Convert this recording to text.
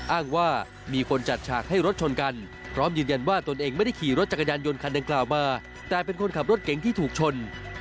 อ้างว่ามีคนจัดฉากให้รถชนกันพร้อมยืนยันว่าตนเองไม่ได้ขี่รถจักรยานยนต์คันดังกล่าวมาแต่เป็นคนขับรถเก๋งที่ถูกชน